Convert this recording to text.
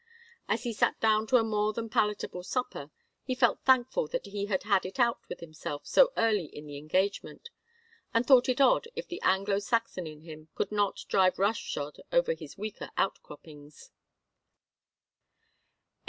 As he sat down to a more than palatable supper, he felt thankful that he had had it out with himself so early in the engagement, and thought it odd if the Anglo Saxon in him could not drive rough shod over his weaker outcroppings.